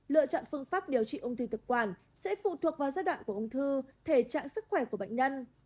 lựa chọn phương pháp điều trị ung thư thực quản sẽ phụ thuộc vào giai đoạn của ung thư thể trạng sức khỏe của bệnh nhân